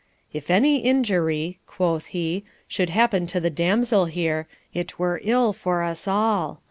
'If any injury,' quoth he, 'should happen to the damsel here, it were ill for us all.